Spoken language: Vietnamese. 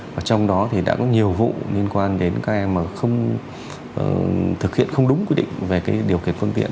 và trong đó thì đã có nhiều vụ liên quan đến các em mà không thực hiện không đúng quy định về điều khiển phương tiện